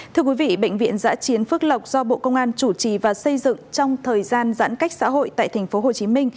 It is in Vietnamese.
thưa quý vị bệnh viện giã chiến phước lộc do bộ công an chủ trì và xây dựng trong thời gian giãn cách xã hội tại tp hcm